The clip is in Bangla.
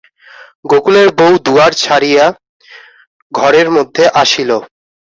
গোকুলের বউ দুয়ার ছাড়িযা ঘরের মধ্যে আসিল।